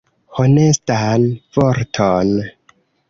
Honestan vorton.